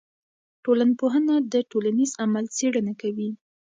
ټولنپوهنه د ټولنیز عمل څېړنه کوي.